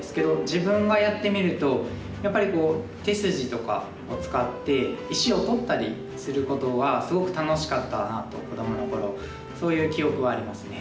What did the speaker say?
自分がやってみるとやっぱり手筋とかを使って石を取ったりすることがすごく楽しかったなと子どもの頃そういう記憶はありますね。